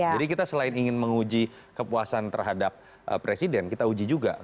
jadi kita selain ingin menguji kepuasan terhadap presiden kita uji juga